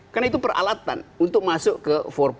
karena itu peralatan untuk masuk ke empat